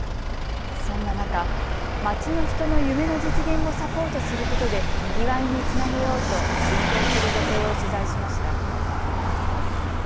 そんな中、まちの人の夢の実現をサポートすることでにぎわいにつなげようと奮闘する女性を取材しました。